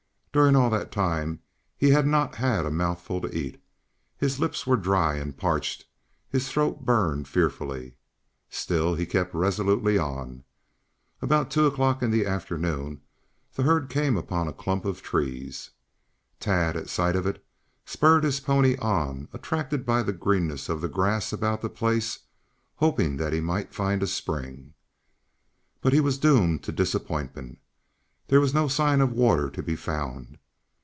During all that time he had not had a mouthful to eat. His lips were dry and parched; his throat burned fearfully. Still, he kept resolutely on. About two o'clock in the afternoon the herd came upon a clump of trees. Tad at sight of it, spurred his pony on, attracted by the greenness of the grass about the place, hoping that he might find a spring. But he was doomed to disappointment. There was no sign of water to be found.